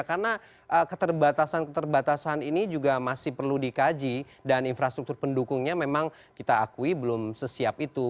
karena keterbatasan keterbatasan ini juga masih perlu dikaji dan infrastruktur pendukungnya memang kita akui belum sesiap itu